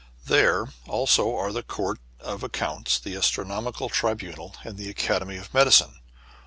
There also are the Court of Accounts, the Astronomical Tribunal, and the Academy of Medicine.